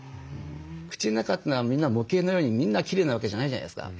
口の中というのはみんな模型のようにみんなきれいなわけじゃないじゃないですか。